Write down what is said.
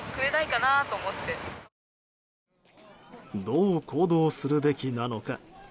どう行動するべきなのか。